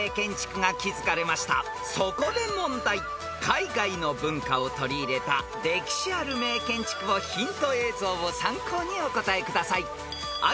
［海外の文化を取り入れた歴史ある名建築をヒント映像を参考にお答えください］